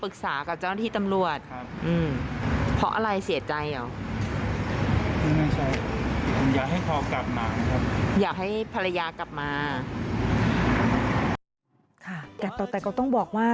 ค่ะแกะต่อแต่ก็ต้องบอกว่า